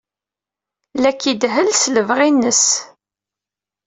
La k-idehhel s lebɣi-nnes.